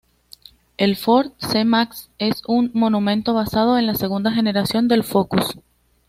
El Ford C-Max es un monovolumen basado en la segunda generación del Focus.